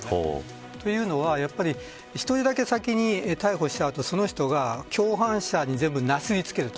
というのは１人だけ先に逮捕しちゃうとその人が共犯者に全部なすりつけると。